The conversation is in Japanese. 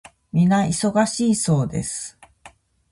皆忙しそうです。